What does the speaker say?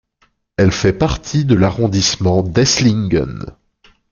Elle fait partie de l'arrondissement d'Esslingen.